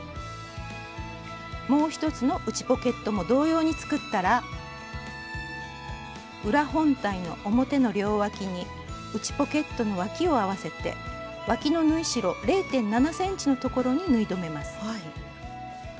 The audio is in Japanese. もう一つの内ポケットも同様に作ったら裏本体の表の両わきに内ポケットのわきを合わせてわきの縫い代０．７ｃｍのところに縫い留めます。